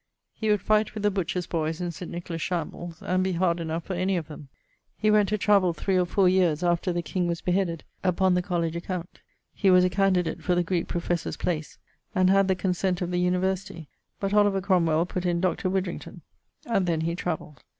He would fight with the butchers' boyes in St. Nicholas' shambles, and be hard enough for any of them. He went to travell 3 or 4 yeares after the king was beheaded, upon the colledge account. He was a candidate for the Greeke professor's place, and had the consent of the University but Oliver Cromwell putt in Dr. Widrington; and then he travelled.